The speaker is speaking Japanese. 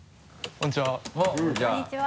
こんにちは。